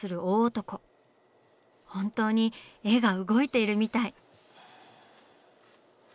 本当に絵が動いているみたい。